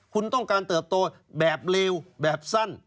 คุณต้องการเติบโตแบบเลวแบบสั้น